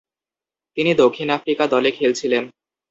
তিনি দক্ষিণ আফ্রিকা দলে খেলছিলেন।